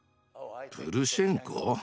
プルシェンコ？